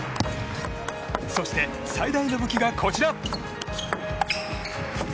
そして、最大の武器がこちら。